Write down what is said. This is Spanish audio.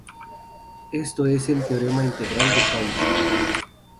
Esto es el Teorema integral de Cauchy.